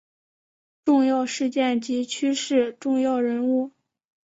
重要事件及趋势重要人物